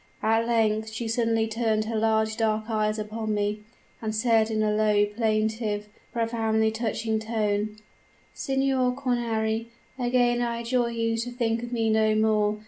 At length she suddenly turned her large dark eyes upon me, and said in a low, plaintive, profoundly touching tone: "'Signor Cornari, again I adjure you to think of me no more.